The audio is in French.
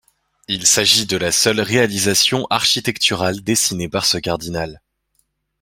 Il s'agit de la seule réalisation architecturale dessinée par ce cardinal.